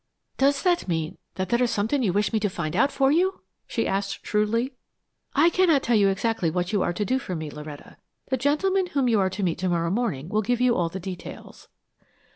Does that mean that there is something you wish me to find out for you?" she asked shrewdly. "I cannot tell you exactly what you are to do for me, Loretta. The gentleman whom you are to meet to morrow morning will give you all the details."